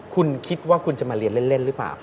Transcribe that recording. คุณคิดว่าคุณจะมาเรียนเล่นหรือเปล่า